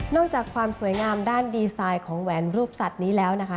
จากความสวยงามด้านดีไซน์ของแหวนรูปสัตว์นี้แล้วนะคะ